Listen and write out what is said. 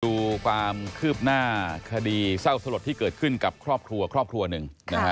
ดูความคืบหน้าคดีเศร้าสลดที่เกิดขึ้นกับครอบครัวครอบครัวหนึ่ง